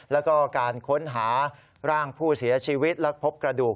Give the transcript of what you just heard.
แล้วก็การค้นหาร่างผู้เสียชีวิตและพบกระดูก